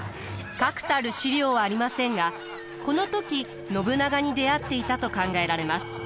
確たる史料はありませんがこの時信長に出会っていたと考えられます。